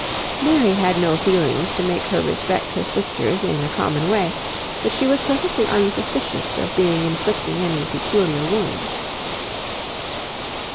'" Mary had no feelings to make her respect her sister's in a common way, but she was perfectly unsuspicious of being inflicting any peculiar wound.